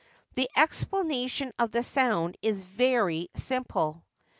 The explanation of this sound is very sim ple.